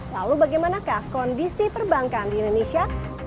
lalu bagaimanakah kondisi perbankan di indonesia